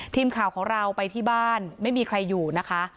ทีมข่าวของเราไปที่บ้านไม่มีใครอยู่นะคะ